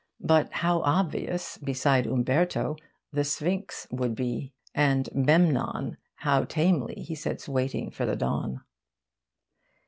But how obvious, beside Umberto, the Sphinx would be! And Memnon, how tamely he sits waiting for the dawn!